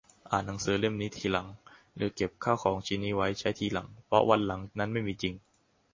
อ่านหนังสือเล่มนี้ทีหลัง หรือเก็บข้าวของชิ้นนี้ไว้ใช้ทีหลัง เพราะวันหลังนั้นไม่มีจริง